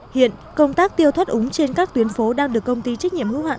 hiện công tác tiêu thoát úng trên các tuyến phố đang được công ty trách nhiệm hữu hạn